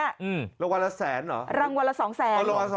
รางวัลละแสนเหรอรางวัลละสองแสน